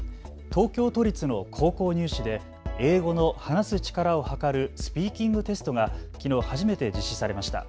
東京都立の高校入試で英語の話す力をはかるスピーキングテストがきのう初めて実施されました。